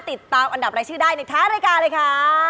ติดตามอันดับรายชื่อได้ในท้ายรายการเลยค่ะ